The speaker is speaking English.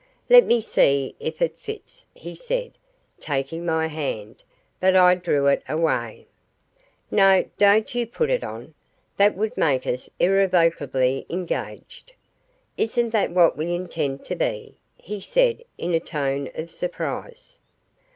"Let me see if it fits," he said, taking my hand; but I drew it away. "No; don't you put it on. That would make us irrevocably engaged." "Isn't that what we intend to be?" he said in a tone of surprise.